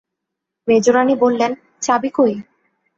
মেজোরানী বললেন, চাবি কই?